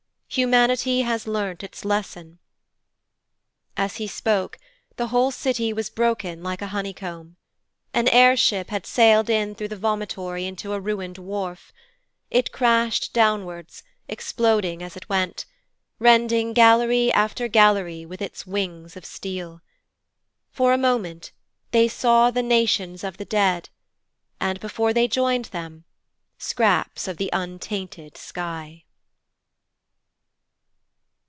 Humanity has learnt its lesson.' As he spoke, the whole city was broken like a honeycomb. An air ship had sailed in through the vomitory into a ruined wharf. It crashed downwards, exploding as it went, rending gallery after gallery with its wings of steel. For a moment they saw the nations of the dead, and, before they joined them, scraps of the untainted sky.